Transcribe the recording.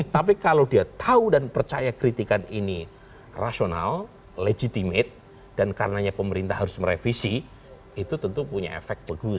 tapi kalau dia tahu dan percaya kritikan ini rasional legitimate dan karenanya pemerintah harus merevisi itu tentu punya efek bagus